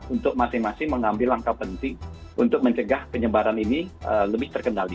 untuk masing masing mengambil langkah penting untuk mencegah penyebaran ini lebih terkendali